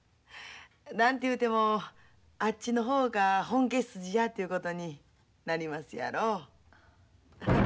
何て言うてもあっちの方が本家筋やということになりますやろ。